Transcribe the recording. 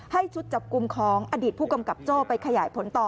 ชุดจับกลุ่มของอดีตผู้กำกับโจ้ไปขยายผลต่อ